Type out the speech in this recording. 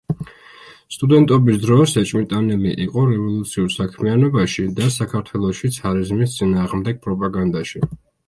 სტუდენტობის დროს ეჭვმიტანილი იყო რევოლუციურ საქმიანობაში და საქართველოში ცარიზმის წინააღმდეგ პროპაგანდაში.